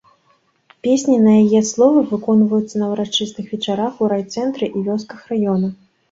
Песні на яе словы выконваюцца на ўрачыстых вечарах у райцэнтры і вёсках раёна.